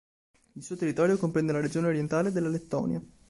Il suo territorio comprende la regione orientale della Lettonia.